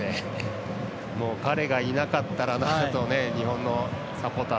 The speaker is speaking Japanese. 彼がいなかったらなと日本のサポーター